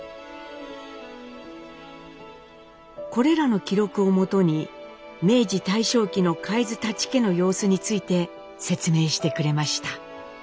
これらの記録をもとに明治大正期の海津舘家の様子について説明してくれました。